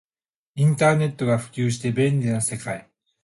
インターネットが普及して便利な世界